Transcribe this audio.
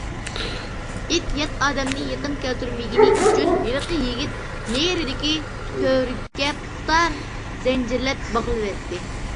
ئىت يات ئادەمنى يېقىن كەلتۈرمىگىنى ئۈچۈن، ھېلىقى يىگىت نېرىدىكى تۈۋرۈككە پۇختا زەنجىرلەپ باغلىۋەتتى.